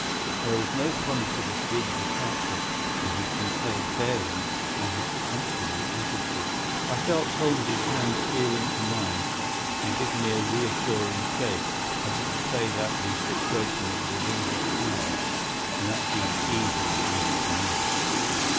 There was no promise of a speedy departure in his composed bearing and his comfortable attitude. I felt Holmes's hand steal into mine and give me a reassuring shake, as if to say that the situation was within his powers and that he was easy in his mind.